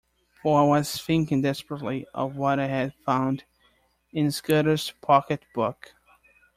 For I was thinking desperately of what I had found in Scudder’s pocket-book.